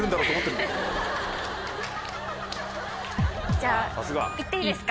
じゃあ行っていいですか？